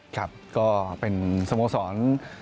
ครับก็เป็นสโมสร